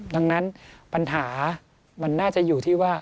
ดังนั้นปัญหามันน่าจะอยู่ที่ว่า